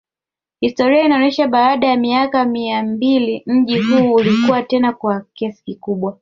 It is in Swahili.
Historia inaonesha baada ya miaka mia mbili mji huu ulikuwa tena kwa kasi kubwa